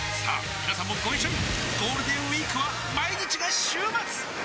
みなさんもご一緒にゴールデンウィークは毎日が週末！